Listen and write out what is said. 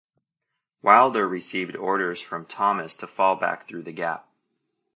Wilder received orders from Thomas to fall back through the gap.